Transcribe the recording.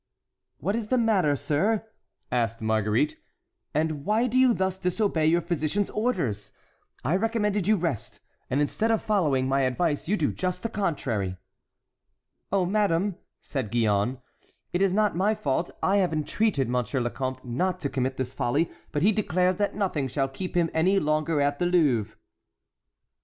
"What is the matter, sir?" asked Marguerite; "and why do you thus disobey your physician's orders? I recommended you rest, and instead of following my advice you do just the contrary." "Oh, madame," said Gillonne, "it is not my fault; I have entreated Monsieur le Comte not to commit this folly, but he declares that nothing shall keep him any longer at the Louvre."